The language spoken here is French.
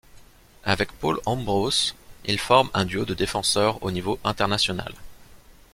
Avec Paul Ambros, il forme un duo de défenseurs au niveau international.